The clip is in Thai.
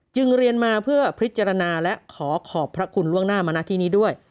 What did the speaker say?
เรียนมาเพื่อพิจารณาและขอขอบพระคุณล่วงหน้ามาณที่นี้ด้วย